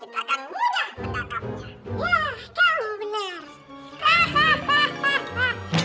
ya kamu benar